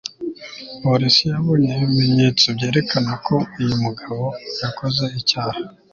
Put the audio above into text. polisi yabonye ibimenyetso byerekana ko uyu mugabo yakoze icyaha